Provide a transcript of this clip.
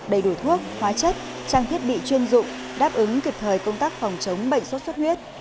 đầy đủ thuốc hóa chất trang thiết bị chuyên dụng đáp ứng kịp thời công tác phòng chống bệnh sốt xuất huyết